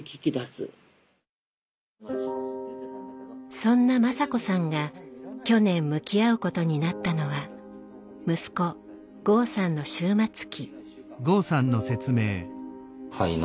そんな雅子さんが去年向き合うことになったのは息子剛さんの終末期。